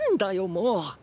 もう。